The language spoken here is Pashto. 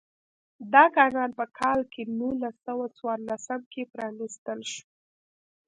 دا کانال په کال نولس سوه څوارلسم کې پرانیستل شو.